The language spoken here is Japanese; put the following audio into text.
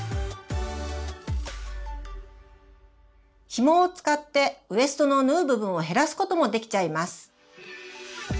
ヒモを使ってウエストの縫う部分を減らすこともできちゃいます！